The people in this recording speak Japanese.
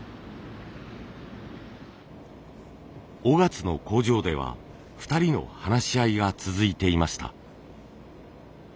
雄勝の工場では２人の話し合いが続いていました。